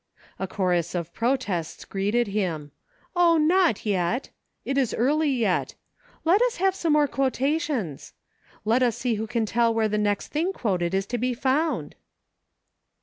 A chorus of protests greeted him :" O, not yet !"" It is early yet." " Let us have some more quo tations." " Let us see who can tell where the next thing quoted is to be found."